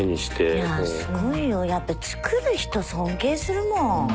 いやすごいよやっぱ作る人尊敬するもん。